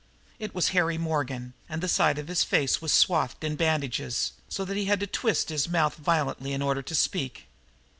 It was Harry Morgan, and the side of his face was swathed in bandages, so that he had to twist his mouth violently in order to speak.